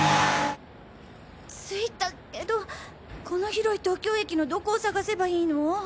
着いたけどこの広い東京駅のどこを探せばいいの？